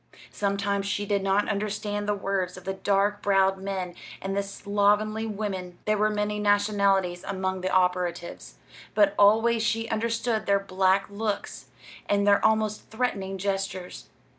Sometimes she did not understand the words of the dark browed men and the slovenly women there were many nationalities among the operatives but always she understood their black looks and their almost threatening gestures.